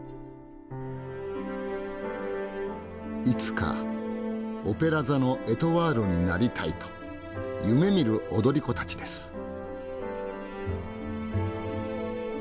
いつかオペラ座のエトワールになりたいと夢みる踊り子たちです。